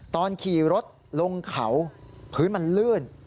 ตอนขี่รถลงเขาพื้นมันลื่น